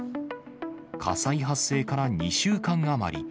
火災発生から２週間余り。